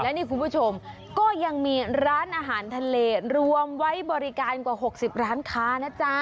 นี่คุณผู้ชมก็ยังมีร้านอาหารทะเลรวมไว้บริการกว่า๖๐ร้านค้านะจ๊ะ